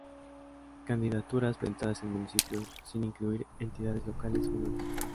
Candidaturas presentadas en municipios, sin incluir entidades locales menores.